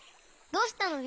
どうしたの？